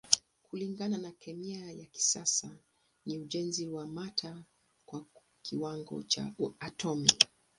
Kulingana na kemia ya kisasa ni ujenzi wa mata kwa kiwango cha atomi.